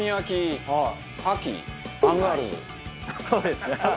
そうですね。